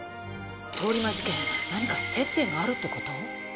通り魔事件何か接点があるってこと？